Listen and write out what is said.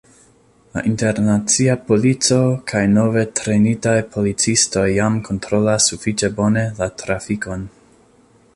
La internacia polico kaj nove trejnitaj policistoj jam kontrolas sufiĉe bone la trafikon.